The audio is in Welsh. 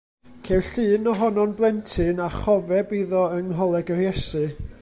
Ceir llun ohono'n blentyn a chofeb iddo yng Ngholeg yr Iesu.